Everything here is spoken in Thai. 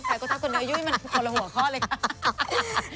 แผลกดทับกดเนื้อยุ่ยมันเขาลงหัวข้อเลย